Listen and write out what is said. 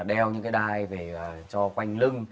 đeo những cái đai cho quanh lưng